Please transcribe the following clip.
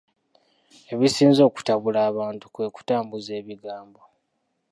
Ebisinze okutabula abantu kwe kutambuza ebigambo.